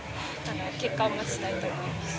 結果を待ちたいと思います。